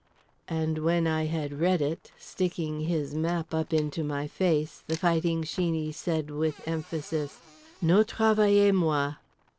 _" and when I had read it—sticking his map up into my face, The Fighting Sheeney said with emphasis: "_No travailler moi.